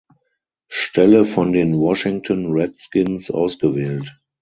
Stelle von den Washington Redskins ausgewählt.